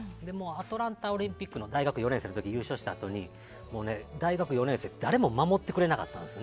アトランタオリンピックで大学４年で優勝したあと大学４年生で誰も守ってくれなくて。